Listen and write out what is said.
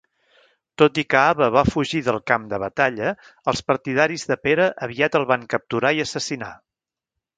Tot i que Aba va fugir del camp de batalla, els partidaris de Pere aviat el van capturar i assassinar.